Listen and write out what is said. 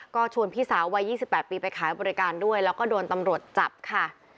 ก็ชวนพี่สาววัย๒๘ปีไปขายบริการด้วยแล้วก็โดนตำรวจจับค่ะ